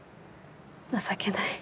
情けない。